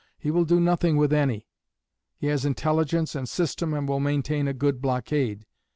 He will do nothing with any. He has intelligence and system and will maintain a good blockade.